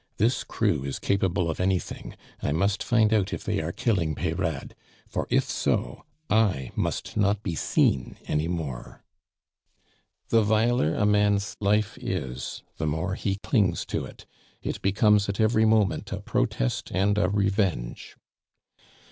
"This crew is capable of anything; I must find out if they are killing Peyrade; for if so, I must not be seen any more " The viler a man's life is, the more he clings to it; it becomes at every moment a protest and a revenge.